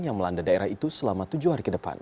yang melanda daerah itu selama tujuh hari ke depan